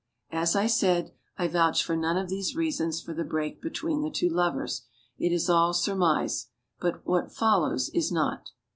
As I said, I vouch for none of these reasons for the break between the two lovers. It is all surmise. But what follows is not.